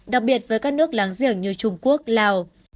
đặc biệt với các nước láng giềng như trung quốc lào